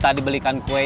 itu adalah suatu tempat